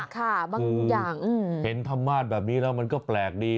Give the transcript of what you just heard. คือเห็นธรรมาศแบบนี้แล้วมันก็แปลกดี